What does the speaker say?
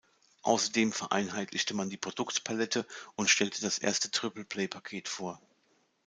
Außerdem vereinheitlichte man die Produktpalette und stellte das erste Triple-Play-Paket vor.